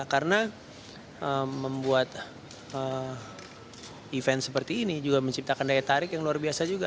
karena membuat event seperti ini juga menciptakan daya tarik yang luar biasa juga